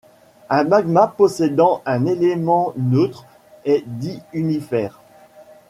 Un magma possédant un élément neutre est dit unifère.